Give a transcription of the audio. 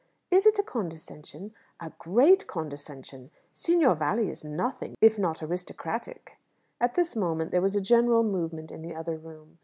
"Is it a condescension?" "A great condescension. Signor Valli is nothing, if not aristocratic." At this moment there was a general movement in the other room.